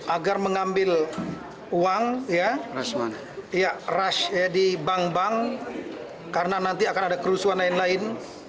agar mengambil uang rush di bank bank karena nanti akan ada kerusuhan lain lain